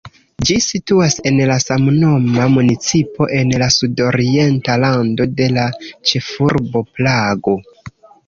Ĝi situas en la samnoma municipo en la sudorienta rando de la ĉefurbo Prago.